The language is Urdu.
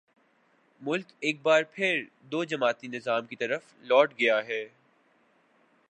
ملک ایک بار پھر دو جماعتی نظام کی طرف لوٹ گیا ہے۔